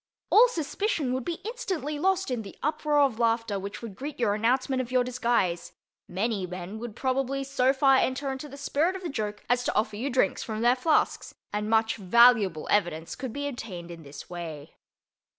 All suspicion would be instantly lost in the uproar of laughter which would greet your announcement of your disguise; many men would probably so far enter into the spirit of the joke as to offer you drinks from their flasks, and much valuable evidence could be obtained in this way.